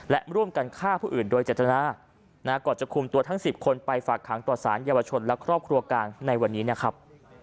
และร่วมกันฆ่าผู้อื่นโดยเจตนาก่อนจะคุมตัวทั้ง๑๐คนไปฝากขังต่อสารเยาวชนและครอบครัวกลางในวันนี้นะครับ